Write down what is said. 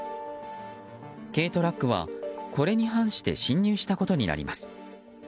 軽トラックは、これに反して進入したことになります。